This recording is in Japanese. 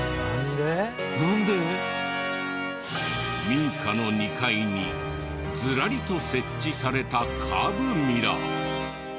民家の２階にズラリと設置されたカーブミラー。